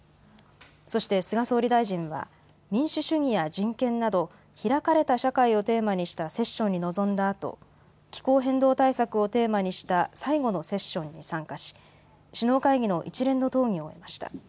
そして、菅総理大臣は民主主義や人権など開かれた社会をテーマにしたセッションに臨んだあと気候変動対策をテーマにした最後のセッションに参加し首脳会議の一連の討議を終えました。